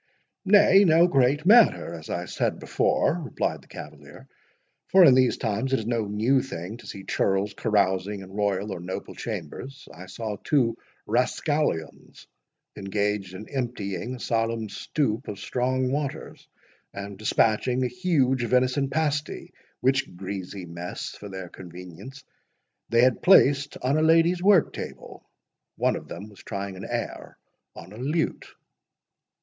"Nay, no great matter, as I said before," replied the cavalier; "for in these times it is no new thing to see churls carousing in royal or noble chambers. I saw two rascallions engaged in emptying a solemn stoup of strong waters, and dispatching a huge venison pasty, which greasy mess, for their convenience, they had placed on a lady's work table—One of them was trying an air on a lute."